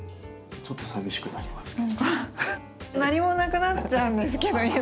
ちょっと寂しくなりますけど。